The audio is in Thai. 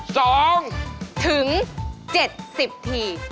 สองถึง๗๐ที